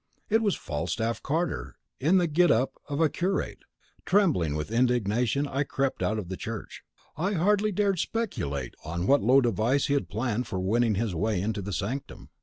It was Falstaff Carter in the get up of a curate. Trembling with indignation, I crept out of the church. I hardly dared speculate on what low device he had planned for winning his way into the sanctum.